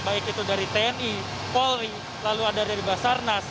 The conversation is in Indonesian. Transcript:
baik itu dari tni polri lalu ada dari basarnas